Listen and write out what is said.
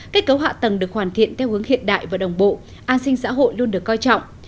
kết cấu hạ tầng được hoàn thiện theo hướng hiện đại và đồng bộ an sinh xã hội luôn được coi trọng